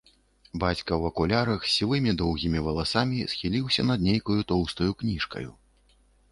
Бацька ў акулярах з сівымі доўгімі валасамі схіліўся над нейкаю тоўстаю кніжкаю.